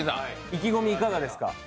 意気込みいかがですか？